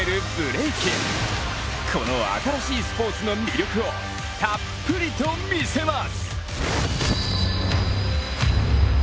この新しいスポーツの魅力をたっぷりと見せます！